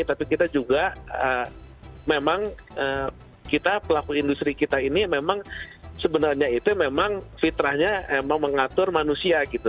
tapi kita juga memang kita pelaku industri kita ini memang sebenarnya itu memang fitrahnya emang mengatur manusia gitu